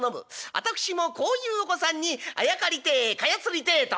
私もこういうお子さんにあやかりてえ蚊帳つりてえと。